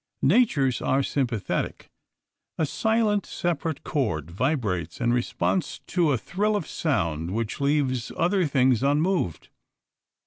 Natures are sympathetic. A silent, separate chord vibrates in response to a thrill of sound which leaves other things unmoved.